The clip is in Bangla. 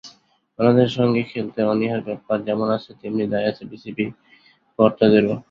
বাংলাদেশের সঙ্গে খেলতে অনীহার ব্যাপার যেমন আছে, তেমনি দায় আছে বিসিবি কর্তাদেরও।